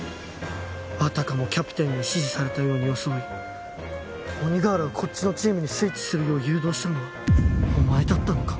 あたかもキャプテンに指示されたように装い鬼瓦をこっちのチームにスイッチするよう誘導したのはお前だったのか。